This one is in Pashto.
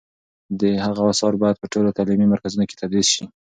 د هغه آثار باید په ټولو تعلیمي مرکزونو کې تدریس شي.